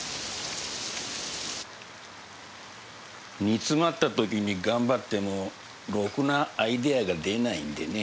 煮詰まった時に頑張ってもろくなアイデアが出ないんでね。